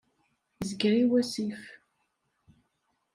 Yezger i wasif.